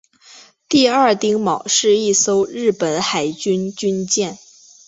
第二丁卯是一艘日本海军军舰。